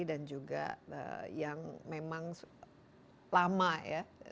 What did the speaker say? dan juga yang memang lama ya